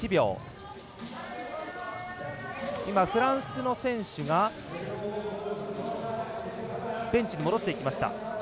フランスの選手がベンチに戻っていきました。